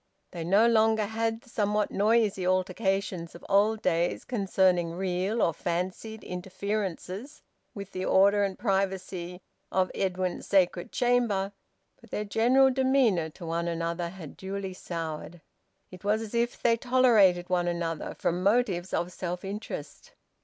They no longer had the somewhat noisy altercations of old days concerning real or fancied interferences with the order and privacy of Edwin's sacred chamber, but their general demeanour to one another had dully soured. It was as if they tolerated one another, from motives of self interest.